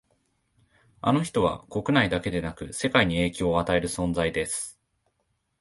あの人は国内だけでなく世界に影響を与える存在です